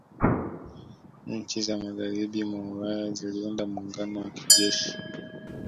Nchi za Magharibi mwa Ulaya ziliunda muungano wa kijeshi